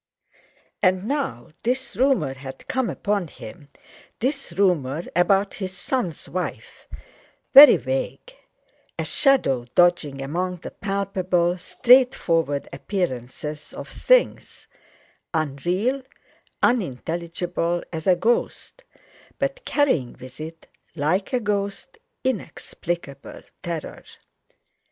And now this rumour had come upon him, this rumour about his son's wife; very vague, a shadow dodging among the palpable, straightforward appearances of things, unreal, unintelligible as a ghost, but carrying with it, like a ghost, inexplicable terror.